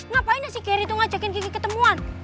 ngapain ya si geri tuh ngajakin geki ketemuan